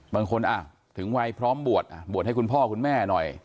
บางคนถึงวัยพร้อมบวชบวชให้คุณพ่อคุณแม่หน่อย